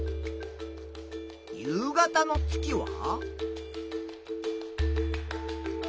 夕方の月は？